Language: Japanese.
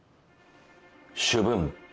主文。